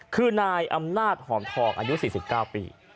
คือนายอำนาจหอมทองอายุ๔๙ปี